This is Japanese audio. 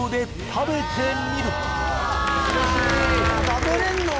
食べれんの？